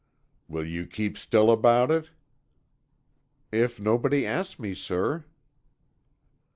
"Will you keep still about it?" "If nobody asks me, sir."